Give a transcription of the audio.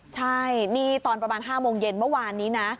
ใช่นี่ตอนประมาณ๕โมงเย็นเมื่อวานนี้นะ